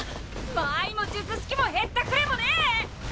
間合いも術式もへったくれもねぇ！！